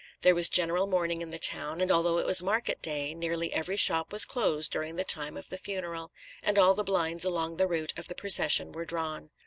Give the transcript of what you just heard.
There was general mourning in the town; and although it was market day nearly every shop was closed during the time of the funeral, and all the blinds along the route of the procession were drawn....